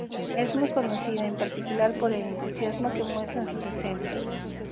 Es muy conocida en particular por el entusiasmo que muestra en sus escenas.